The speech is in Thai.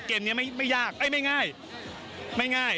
เกมนี้ไม่ยากไม่ง่ายไม่ง่าย